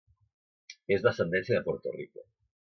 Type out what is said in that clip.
És d'ascendència de Puerto Rico.